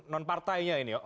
non partainya ini ya